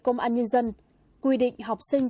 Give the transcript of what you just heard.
công an nhân dân quy định học sinh